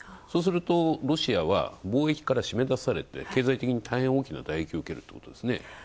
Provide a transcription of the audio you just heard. そうするとロシアは貿易から締め出されて経済的に大変大きな打撃を受けるということですね。